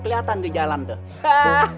keliatan ke jalan tuh hehehe